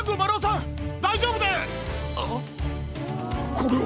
これは。